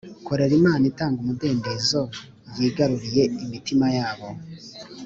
Korera Imana itanga umudendezo Yigaruriye imitima yabo